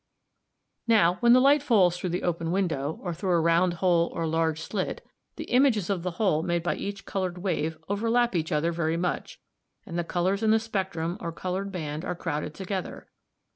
"Now when the light falls through the open window, or through a round hole or large slit, the images of the hole made by each coloured wave overlap each other very much, and the colours in the spectrum or coloured band are crowded together.